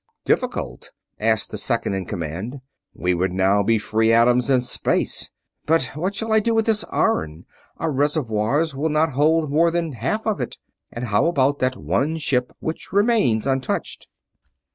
"Difficult?" asked the second in command. "We would now be free atoms in space. But what shall I do with this iron? Our reservoirs will not hold more than half of it. And how about that one ship which remains untouched?"